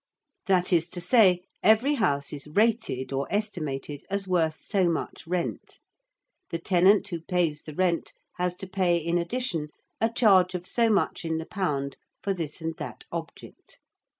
That is to say, every house is 'rated' or estimated as worth so much rent. The tenant who pays the rent has to pay, in addition, a charge of so much in the pound for this and that object.